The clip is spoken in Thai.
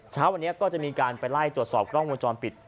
เช้าวันนี้ก็จะมีการไปไล่ตรวจสอบกล้องวงจรปิด